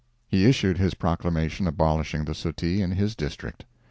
He issued his proclamation abolishing the Suttee in his district.